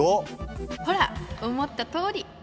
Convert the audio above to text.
ほら思ったとおり。